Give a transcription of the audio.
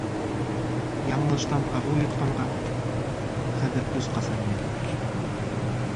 — Яңылыштан ағыу йотҡанға, хәҙер көс ҡаса минән.